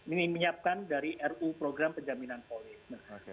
ini menyiapkan dari ruu program penjaminan polis